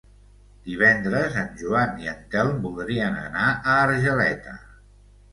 Divendres en Joan i en Telm voldrien anar a Argeleta.